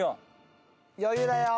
余裕だよ。